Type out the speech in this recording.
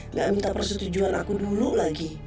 nggak minta persetujuan aku dulu lah ya